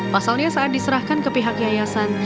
pasalnya saat diserahkan ke pihak yayasan